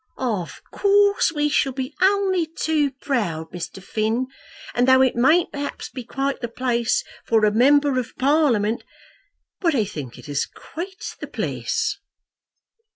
"Of course we shall be only too proud, Mr. Finn; and though it mayn't perhaps be quite the place for a member of Parliament " "But I think it is quite the place."